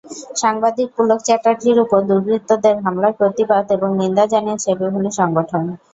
সাংবাদিক পুলক চ্যাটার্জির ওপর দুর্বৃত্তদের হামলার প্রতিবাদ এবং নিন্দা জানিয়েছে বিভিন্ন সংগঠন।